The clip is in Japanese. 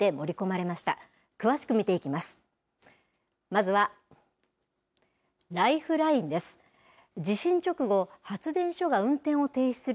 まずは、ライフラインです。